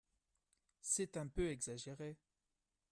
C’est un peu exagéré